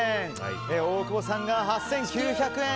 大久保さんが８９００円。